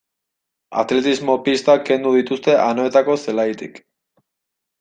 Atletismo-pistak kendu dituzte Anoetako zelaitik.